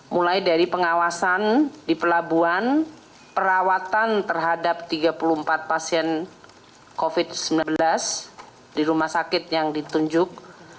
mulai dari pengawasan di pelabuhan perawatan terhadap tiga puluh empat pasien covid sembilan belas di rumah sakit yang ditunjuk